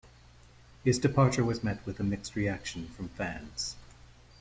His departure was met with a mixed reaction from fans.